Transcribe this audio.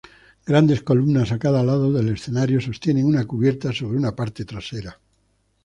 Grandes columnas a cada lado del escenario sostenían una cubierta sobre su parte trasera.